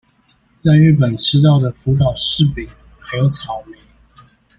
在日本吃到的福島柿餅還有草莓